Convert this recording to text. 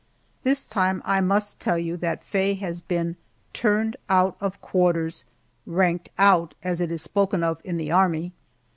This time I must tell you that Faye has been turned out of quarters "ranked out," as it is spoken of in the Army.